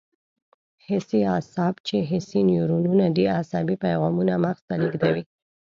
حسي اعصاب چې حسي نیورونونه دي عصبي پیغامونه مغز ته لېږدوي.